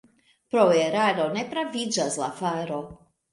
Pro eraro ne praviĝas la faro.